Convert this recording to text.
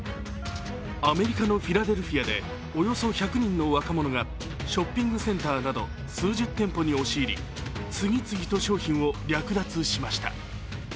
アメリカのフィラデルフィアでおよそ１００人の若者がショッピングセンターなど数十店舗に押し入り次々と商品を略奪しました。